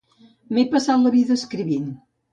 M'he passat la vida escrivint.